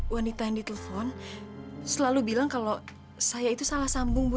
wanita yang ditelepon selalu bilang kalau saya itu salah sambung bu